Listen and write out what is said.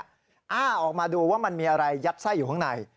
อ้าออกมาดูว่ามันมีอะไรยัดไส้อยู่ข้างใน